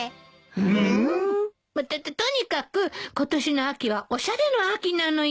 ん？ととにかく今年の秋はおしゃれの秋なのよ。